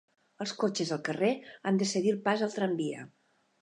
Els cotxes al carrer han de cedir el pas al tramvia.